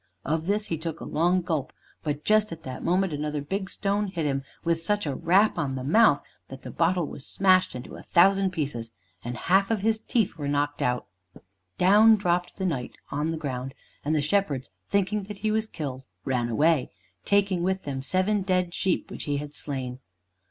Of this he took a long gulp, but just at that moment another big stone hit him such a rap on the mouth that the bottle was smashed into a thousand pieces, and half of his teeth were knocked out. Down dropped the Knight on the ground, and the shepherds thinking that he was killed, ran away, taking with them seven dead sheep which he had slain.